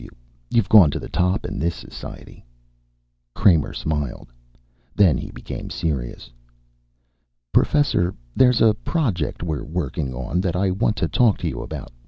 You've gone to the top in this society." Kramer smiled. Then he became serious. "Professor, there's a project we're working on that I want to talk to you about.